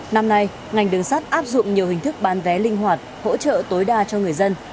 năm nay ngành đường sắt áp dụng nhiều hình thức bán vé linh hoạt hỗ trợ tối đa cho người dân